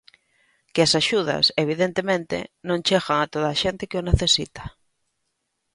Que as axudas, evidentemente, non chegan a toda a xente que o necesita.